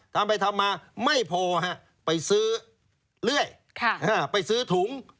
ทำไปทำมาไม่พอไปซื้อเลื่อยไปซื้อถุง